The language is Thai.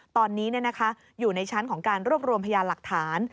ตอนนี้อยู่ในชั้นของการรวบรวมพยานหลักฐาน